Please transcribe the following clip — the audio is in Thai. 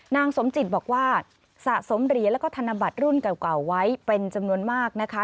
นางสมจิตบอกว่าสะสมเหรียญแล้วก็ธนบัตรรุ่นเก่าไว้เป็นจำนวนมากนะคะ